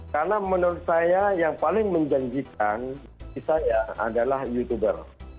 karena menurut saya yang paling menjanjikan di saya adalah youtuber